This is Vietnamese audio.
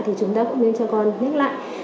thì chúng ta cũng nên cho con nhắc lại